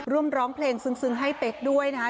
ร้องเพลงซึ้งให้เป๊กด้วยนะคะ